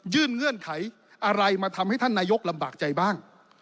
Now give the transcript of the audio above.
เงื่อนไขอะไรมาทำให้ท่านนายกลำบากใจบ้าง